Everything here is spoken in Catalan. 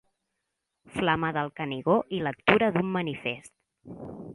Flama del Canigó i lectura d'un manifest.